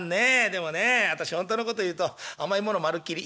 でもね私ほんとのこと言うと甘いものまるっきり」。